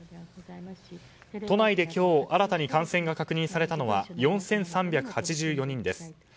都内で今日新たに感染が確認されたのは４３８４人です。